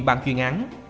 ban chuyên án